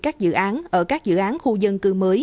các dự án ở các dự án khu dân cư mới